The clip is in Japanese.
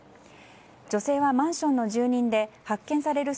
女性はマンションの住人で発見される